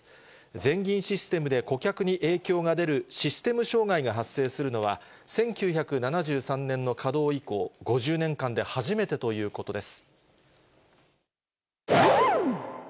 全銀システムで顧客に影響が出るシステム障害が発生するのは、１９７３年の稼働以降、５０年間で初めてということです。